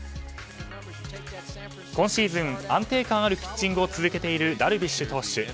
今シーズン、安定感あるピッチングを続けているダルビッシュ投手。